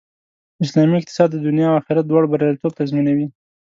اسلامي اقتصاد د دنیا او آخرت دواړو بریالیتوب تضمینوي